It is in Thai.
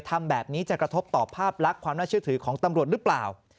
ทำแบบนี้จะกระทบต่อภาพลักษณ์ความน่าเชื่อถือของตำรวจหรือเปล่า